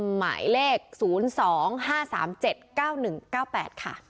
หมายเลข๐๒๕๓๗๙๑๙๘ค่ะ